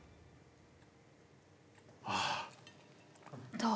どう？